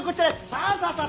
さあさあさ。